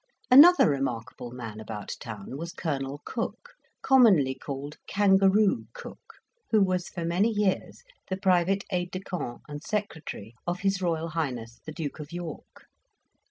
Another remarkable man about town was Colonel Cooke, commonly called Kangaroo Cooke, who was for many years the private aide de camp and secretary of H. R. H. the Duke of York.